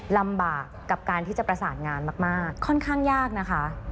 ลำบากกับการที่จะประสานงานมากค่อนข้างยากนะคะ